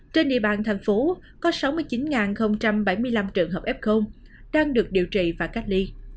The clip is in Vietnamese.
trên địa bàn thành phố có sáu mươi chín bảy mươi năm trường hợp f đang được điều trị và cách ly